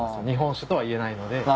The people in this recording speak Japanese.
日本酒とは言えないので。